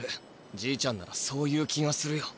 じいちゃんならそう言う気がするよ。